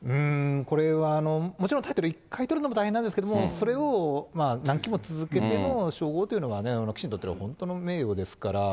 これは、もちろんタイトル１回取るのも大変なんですけど、それを何期も続けての称号というのはね、棋士にとっては本当の名誉ですから。